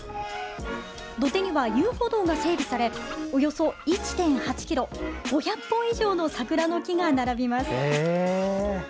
土手には遊歩道が整備されおよそ１．８ｋｍ５００本以上の桜の木が並びます。